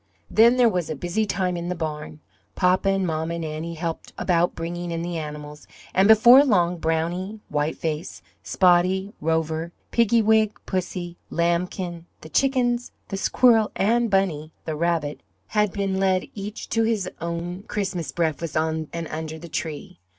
Then there was a busy time in the barn. Papa and mamma and Annie helped about bringing in the animals, and before long, Brownie, White Face, Spotty, Rover, Piggywig, Pussy, Lambkin, the chickens, the squirrel and Bunny, the rabbit, had been led each to his own Christmas breakfast on and under the tree.